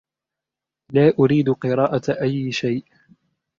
لا أريد قراءة أي شيء.